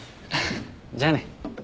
じゃあね。